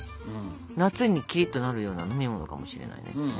夏にキリッとなるような飲み物かもしれないですね。